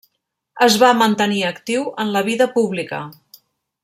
Es va mantenir actiu en la vida pública.